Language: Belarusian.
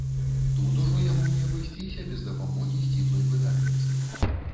Тут ужо яму не абысціся без дапамогі сціплай выдатніцы.